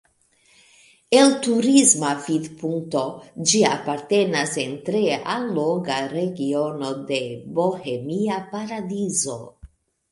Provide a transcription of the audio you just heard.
El turisma vidpunkto ĝi apartenas en tre alloga regiono de Bohemia paradizo.